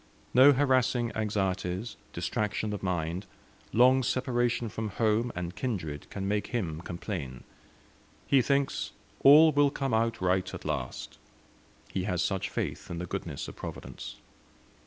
No harassing anxieties, distraction of mind, long separation from home and kindred, can make him complain. He thinks "all will come out right at last;" he has such faith in the goodness of Providence.